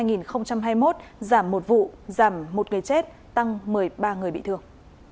giảm một vụ giảm một người chết tăng một mươi ba người bị thương